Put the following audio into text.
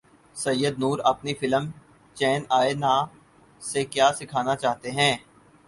سید نور اپنی فلم چین ائے نہ سے کیا سکھانا چاہتے ہیں